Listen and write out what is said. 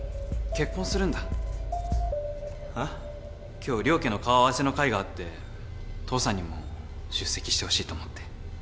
今日両家の顔合わせの会があって父さんにも出席してほしいと思って。